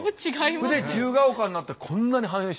それで自由が丘になってこんなに繁栄してる。